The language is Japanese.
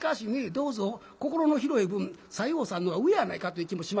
「どうぞ」心の広い分西郷さんの方が上やないかという気もしますけれどもね。